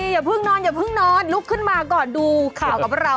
อย่าเพิ่งนอนอย่าเพิ่งนอนลุกขึ้นมาก่อนดูข่าวกับเรา